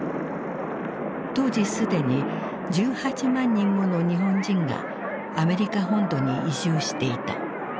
当時既に１８万人もの日本人がアメリカ本土に移住していた。